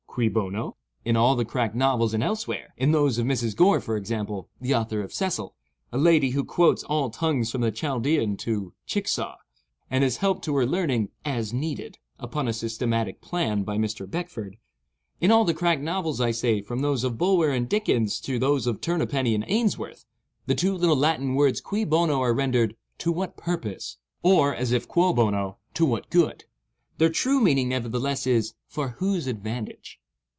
"Cui bono?" in all the crack novels and elsewhere,—in those of Mrs. Gore, for example, (the author of "Cecil,") a lady who quotes all tongues from the Chaldaean to Chickasaw, and is helped to her learning, "as needed," upon a systematic plan, by Mr. Beckford,—in all the crack novels, I say, from those of Bulwer and Dickens to those of Bulwer and Dickens to those of Turnapenny and Ainsworth, the two little Latin words cui bono are rendered "to what purpose?" or, (as if quo bono,) "to what good." Their true meaning, nevertheless, is "for whose advantage."